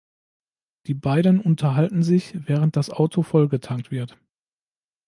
Die beiden unterhalten sich, während das Auto vollgetankt wird.